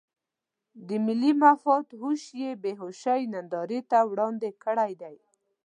د ملي مفاد هوش یې بې هوشۍ نندارې ته وړاندې کړی دی.